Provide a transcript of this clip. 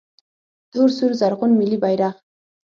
🇦🇫 تور سور زرغون ملي بیرغ